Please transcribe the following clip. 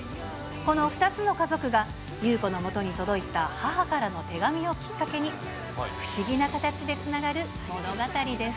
この２つの家族が優子のもとに届いた母からの手紙をきっかけに、不思議な形でつながる物語です。